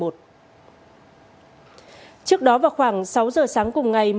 trước đó vào khoảng sáu giờ sáng cùng ngày